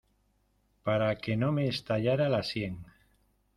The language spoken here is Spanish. para que no me estallara la sien.